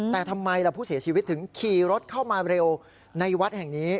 แต่ทำไมล่ะผู้เสียชีวิตถึงขี่รถเข้ามาเร็วในวัดแห่งนี้